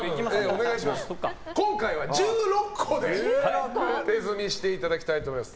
今回は１６個で手積みをしていただきたいと思います。